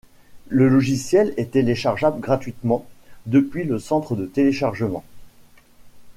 Le logiciel est téléchargeable gratuitement depuis le Centre de téléchargement.